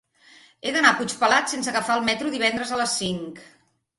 He d'anar a Puigpelat sense agafar el metro divendres a les cinc.